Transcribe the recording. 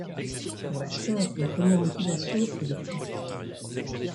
Pour l'acheteur, la première motivation est le prix.